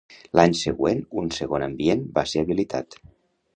L'any següent, un segon ambient va ser habilitat.